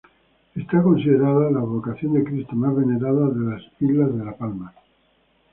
Está considerado la advocación de Cristo más venerada de la isla de La Palma.